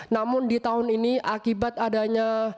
namun di tahun ini akibat adanya